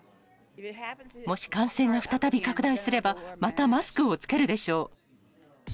もし感染が再び拡大すれば、またマスクを着けるでしょう。